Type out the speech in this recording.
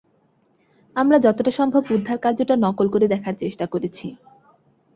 আমরা যতটা সম্ভব উদ্ধারকার্যটা নকল করে দেখার চেষ্টা করেছি।